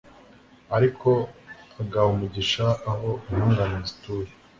ariko agaha umugisha aho intungane zituye